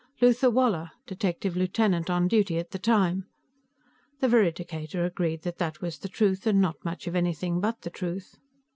"Luther Woller. Detective lieutenant on duty at the time." The veridicator agreed that that was the truth and not much of anything but the truth.